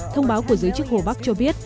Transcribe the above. thông báo của giới chức hồ bắc cho biết